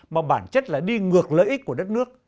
mà bản chất là đi ngược lợi ích của đất nước